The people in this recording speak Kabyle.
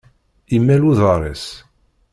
Imal uḍar-is.